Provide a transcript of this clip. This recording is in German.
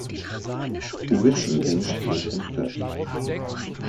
Uwe Strübing lebt in Fürth.